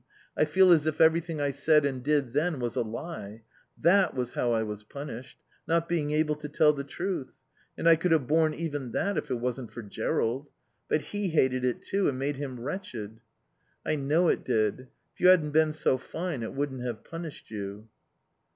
I feel as if everything I said and did then was a lie. That was how I was punished. Not being able to tell the truth. And I could have borne even that if it wasn't for Jerrold. But he hated it, too. It made him wretched." "I know it did. If you hadn't been so fine it wouldn't have punished you."